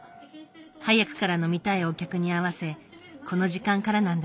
早くから飲みたいお客に合わせこの時間からなんだそう。